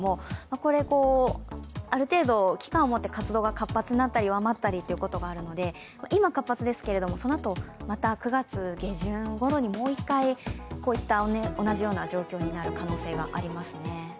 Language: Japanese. これ、ある程度期間をもって活動が活発になったり、上回ったりということになるので今、活発ですけども、そのあとまた９月下旬ごろにもう一回こういった同じような状況になる可能性がありますね。